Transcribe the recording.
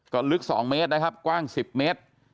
ก็ลึก๒เมตรนะครับกว้าง๑๐เมตร